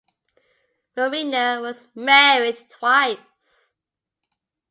Marriner was married twice.